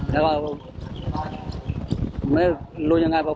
แล้วลูกว่ายังไงบ้าง